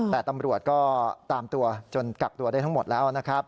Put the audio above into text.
แต่ตำรวจก็ตามตัวจนกักตัวได้ทั้งหมดแล้วนะครับ